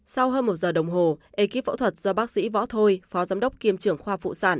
sau hơn một giờ đồng hồ ekip phẫu thuật do bác sĩ võ thôi phó giám đốc kiêm trưởng khoa phụ sản